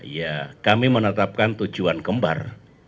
ya kami menetapkan tujuan kembar